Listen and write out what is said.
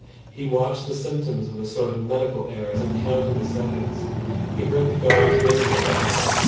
He watched the symptoms with a sort of medical air, as if counting seconds. He heard the guard's whistle at last.